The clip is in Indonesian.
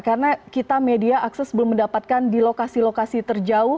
karena kita media akses belum mendapatkan di lokasi lokasi terjauh